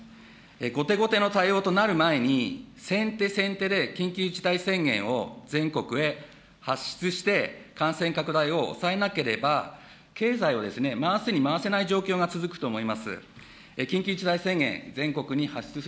後手後手の対応となる前に、先手先手で緊急事態宣言を全国へ発出して、感染拡大を抑えなければ、経済を回すに回せない状況が続くと思います。